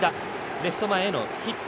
レフト前へのヒット。